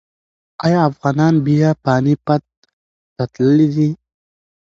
ایا افغانان بیا پاني پت ته تللي دي؟